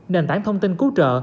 nền tảng thông tin cứu trợ